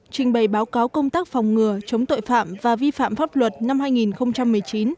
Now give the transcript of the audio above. trình bày báo cáo công tác phòng ngừa chống tội phạm và vi phạm pháp luật năm hai nghìn một mươi chín